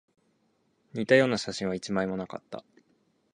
似たような写真は一枚もなかった